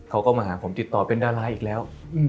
แล้วผมติดต่อเป็นดาราอีกแล้ว